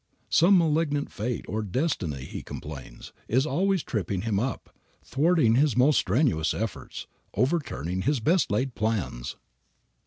Some malignant fate, or destiny, he complains, is always tripping him up, thwarting his most strenuous efforts, overturning his best laid plans.